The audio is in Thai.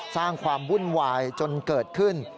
สร้างความวุ่นวายจนเกิดขึ้น